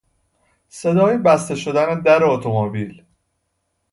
صدای بسته شدن در اتومبیل